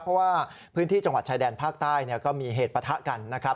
เพราะว่าพื้นที่จังหวัดชายแดนภาคใต้ก็มีเหตุประทะกันนะครับ